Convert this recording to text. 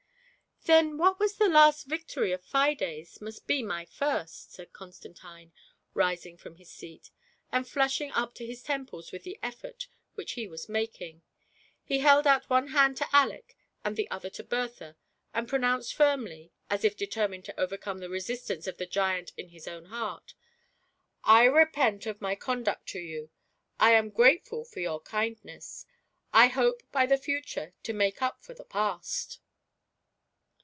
" Then what was the last victory of Fides, must be my first," said Constantine, rising from his seat ; and flushing up to his temples with the effort which he was making, he held out one hand to Aleck and the other to Bertha, and pronounced firmly, as if determined to overcome the resistance of the giant in his own heart, "/ repent of my conduct to you ;/ am grateful for your kindness ; I hope by the future to make up for the past